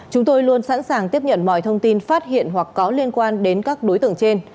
chúng tôi luôn sẵn sàng tiếp nhận mọi thông tin phát hiện hoặc có liên quan đến các đối tượng trên